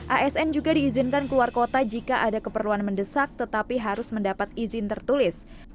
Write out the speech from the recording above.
asn juga diizinkan keluar kota jika ada keperluan mendesak tetapi harus mendapat izin tertulis